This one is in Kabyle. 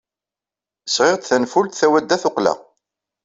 Sɣiɣ-d tanfult tawadda-tuqqla.